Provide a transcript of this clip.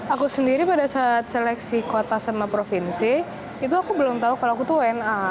aku sendiri pada saat seleksi kota sama provinsi itu aku belum tahu kalau aku tuh wna